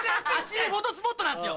フォトスポットなんですよ。